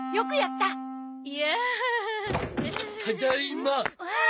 ただいま。